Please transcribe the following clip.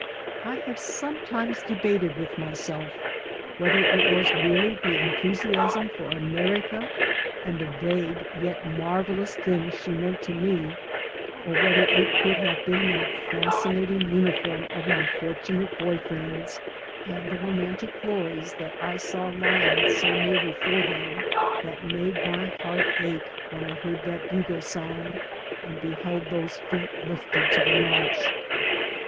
I have sometimes debated with myself whether it was really the enthusiasm for America and the vague yet marvelous things she meant to me, or whether it could have been that fascinating uniform of my fortunate boy friends and the romantic glories that I saw lying so 44 TO AMERICA ON FOOT near before them that made my heart ache when I heard that bugle sound and beheld those feet lifted for the march.